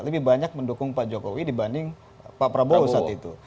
lebih banyak mendukung pak jokowi dibanding pak prabowo saat itu